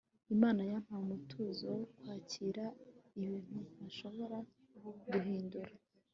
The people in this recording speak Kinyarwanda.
imana yampaye umutuzo wo kwakira ibintu ntashobora guhindura